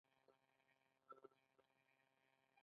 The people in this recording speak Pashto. د جوارو په هکله نور معلومات.